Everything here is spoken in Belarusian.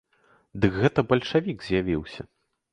Дык гэта бальшавік з'явіўся!